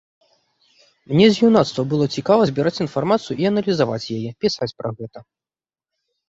Мне з юнацтва было цікава збіраць інфармацыю і аналізаваць яе, пісаць пра гэта.